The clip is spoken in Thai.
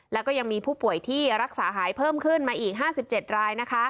แล้วก็ยังมีผู้ป่วยที่รักษาหายเพิ่มขึ้นมาอีก๕๗ราย